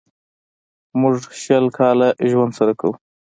موږ شل کاله ژوند سره کوو.